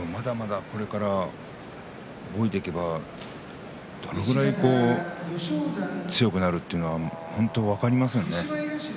これから覚えていけばどのぐらい強くなるというのが本当に分かりませんね。